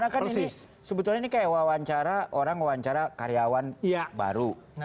karena kan ini sebetulnya kayak wawancara orang wawancara karyawan baru